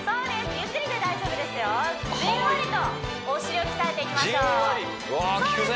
ゆっくりで大丈夫ですよじんわりとお尻を鍛えていきましょうそうです